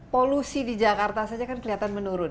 polusi di jakarta saja kan kelihatan menurun